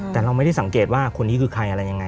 แต่เราไม่ได้สังเกตว่าคนนี้คือใครอะไรยังไง